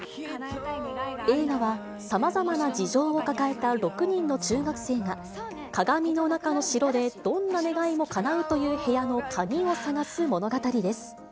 映画はさまざまな事情を抱えた６人の中学生が、鏡の中の城で、どんな願いもかなうという部屋の鍵を探す物語です。